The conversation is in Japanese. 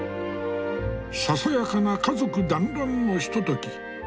ささやかな家族団らんのひととき。